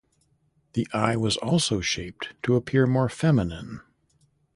The eye was also shaped to appear more feminine.